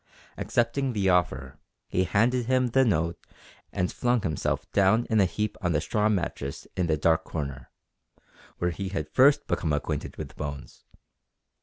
Accepting the offer, he handed him the note and flung himself down in a heap on the straw mattress in the dark corner, where he had first become acquainted with Bones.